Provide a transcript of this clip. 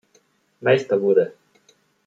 Meister wurde.